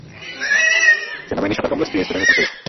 সেনাবাহিনী সাঁতার কমপ্লেক্সটি এই স্টেডিয়ামের পাশেই অবস্থিত।